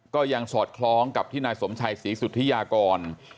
ก็ยังสอดคล้องกับที่นายสมชัยศรีสุธิยากร